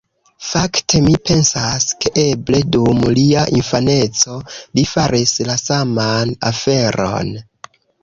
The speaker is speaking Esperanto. Fakte mi pensas, ke eble dum lia infaneco li faris la saman aferon.